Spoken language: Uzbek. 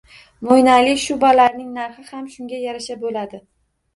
- Mo'ynali shubalarning narxi ham shunga yarasha bo'ladi..